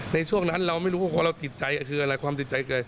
ในช่วงนั้นเราไม่รู้ว่าคนเราติดใจคืออะไร